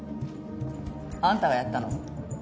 あんたがやったの？